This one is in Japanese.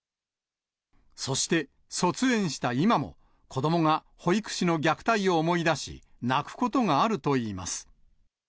そして、卒園した今も、子どもが保育士の虐待を思い出し、泣くことがあるといいます。